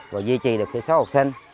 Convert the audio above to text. rồi duy trì được số học sinh